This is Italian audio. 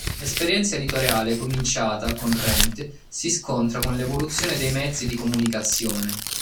L'esperienza editoriale cominciata con Rent si scontra con l'evoluzione dei mezzi di comunicazione.